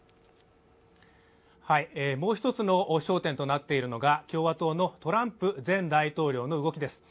もう一つのを焦点となっているのが共和党のトランプ前大統領の動きです